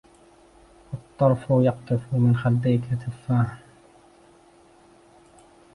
الطرف يقطف من خديك تفاحا